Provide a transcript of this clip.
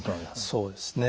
そうですね。